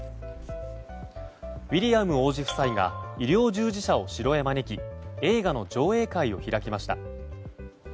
ウィリアム王子夫妻が医療従事者を城へ招き映画の上映会を開きました。